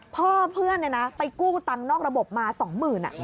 พ่อเพื่อนไปกู้ตังค์นอกระบบมาสองหมื่น